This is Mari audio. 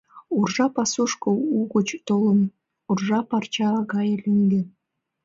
Уржа пасушко угыч толын, уржа парча гае лӱҥгем.